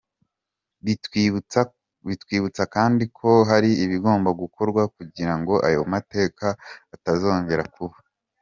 Bitwibutsa kandi ko hari ibigomba gukorwa kugira ngo ayo mateka atazongera kuba.